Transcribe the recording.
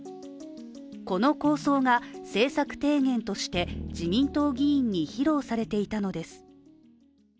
この構想が、政策提言として自民党議員に披露されていたのです。